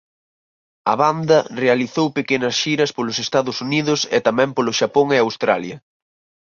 A banda realizou pequenas xira polos Estados Unidos e tamén polo Xapón e Australia.